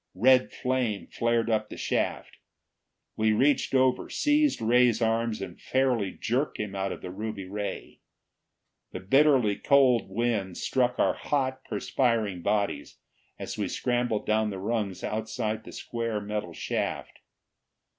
Red flame flared up the shaft. We reached over, seized Ray's arms and fairly jerked him out of the ruby ray. The bitterly cold wind struck our hot, perspiring bodies as we scrambled down the rungs outside the square metal shaft.